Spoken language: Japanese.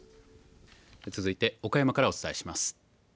続いて、岡山からお伝えします。